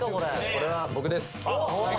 これは僕です。